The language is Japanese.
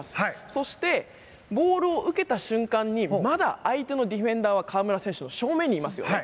そしてボールを受けた瞬間にまだ相手のディフェンダーは河村選手の正面にいます。